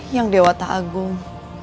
yang dewa taagung